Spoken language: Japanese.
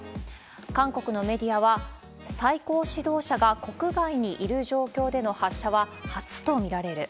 韓国のメディアは、最高指導者が国外にいる状況での発射は初と見られる。